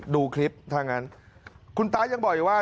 ดูคลิปเพราะฉะนั้นคุณต้ายังบอกอยู่ว่า